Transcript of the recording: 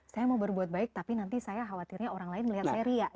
saya mau berbuat baik tapi nanti saya khawatirnya orang lain melihat saya ria